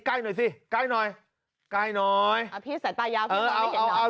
ใกล้หน่อยสิใกล้หน่อยใกล้หน่อยพี่ใส่ตายาวเออเอาเอาเอา